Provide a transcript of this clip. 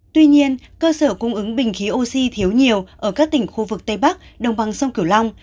tuy nhiên cơ sở cung ứng bình khí oxy thiếu nhiều ở các tỉnh khu vực tây bắc đồng bằng sông cửu long